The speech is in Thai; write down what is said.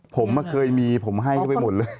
ผมเคยมีผมให้เข้าไปหมดเลย